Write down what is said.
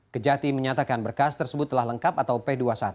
kejati menyatakan berkas tersebut telah lengkap atau p dua puluh satu